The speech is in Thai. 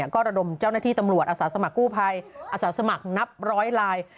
ก็ระดมเจ้าหน้าที่ตำรวจอาสาสมัครกู้ภัยอาสาสมัครนับร้อยลาย